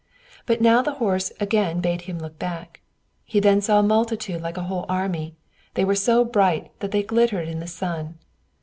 But now the horse again bade him look back: he then saw a multitude like a whole army; they were so bright that they glittered in the sun.